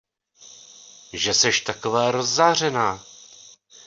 Že seš taková rozzářená?